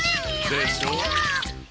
でしょ？